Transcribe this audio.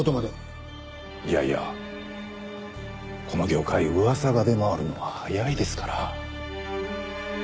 いやいやこの業界噂が出回るのは早いですから。